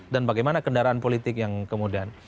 dan bagaimana kendaraan politik yang kemudian